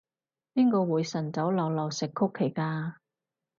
邊個會晨早流流食曲奇㗎？